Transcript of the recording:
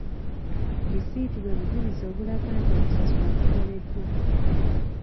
Lisiiti bwe bujulizi obulaga nti okusasula kukoleddwa.